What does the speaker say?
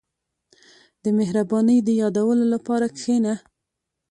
• د مهربانۍ د یادولو لپاره کښېنه.